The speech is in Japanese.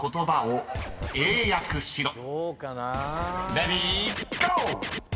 ［レディーゴー！］